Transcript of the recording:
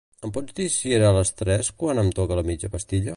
Em pots dir si era a les tres quan em toca la mitja pastilla?